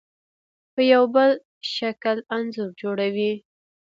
په یو بل شکل انځور جوړوي.